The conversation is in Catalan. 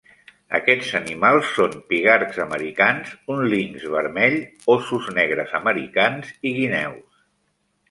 Aquests animals són pigargs americans, un linx vermell, óssos negres americans i guineus.